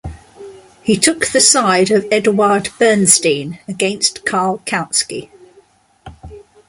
He took the side of Eduard Bernstein against Karl Kautsky.